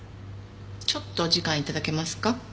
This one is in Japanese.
ちょっとお時間頂けますか？